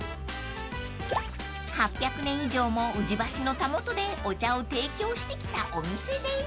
［８００年以上も宇治橋のたもとでお茶を提供してきたお店です］